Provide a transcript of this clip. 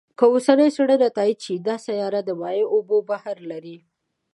که اوسنۍ څېړنې تایید شي، دا سیاره د مایع اوبو بحر لري.